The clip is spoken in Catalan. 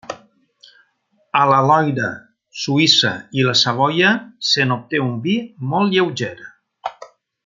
A la Loira, Suïssa i la Savoia se n'obté un vi molt lleuger.